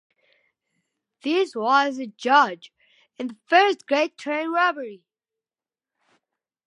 This was as the judge in "The First Great Train Robbery".